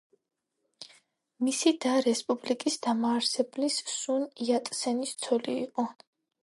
მისი და რესპუბლიკის დამაარსებლის, სუნ იატსენის ცოლი იყო.